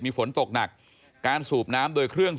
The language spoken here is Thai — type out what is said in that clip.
ทางนิติกรหมู่บ้านแจ้งกับสำนักงานเขตประเวท